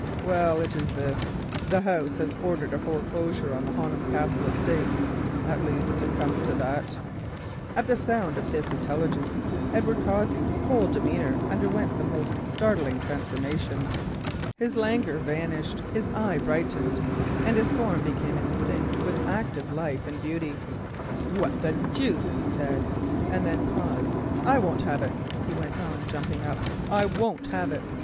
"Well, it is this, the house has ordered a foreclosure on the Honham Castle estates—at least it comes to that——" On hearing this intelligence Edward Cossey's whole demeanour underwent the most startling transformation—his languor vanished, his eye brightened, and his form became instinct with active life and beauty. "What the deuce," he said, and then paused. "I won't have it," he went on, jumping up, "I won't have it.